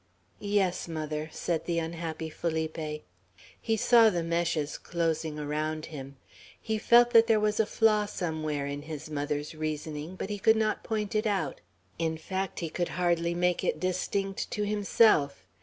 "Yes, mother," said the unhappy Felipe. He saw the meshes closing around him. He felt that there was a flaw somewhere in his mother's reasoning, but he could not point it out; in fact, he could hardly make it distinct to himself.